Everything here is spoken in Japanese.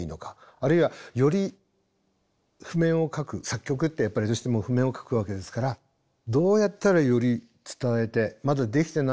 あるいはより譜面を書く作曲ってやっぱりどうしても譜面を書くわけですからどうやったらより伝えてまだできてないことをどう克服するか。